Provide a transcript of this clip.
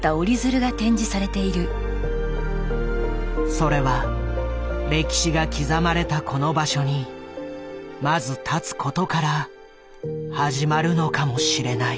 それは歴史が刻まれたこの場所にまず立つことから始まるのかもしれない。